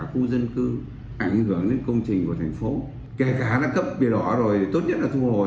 khu vực ảnh hưởng đến công trình của thành phố kể cả nó cấp bia đỏ rồi thì tốt nhất là thu hồi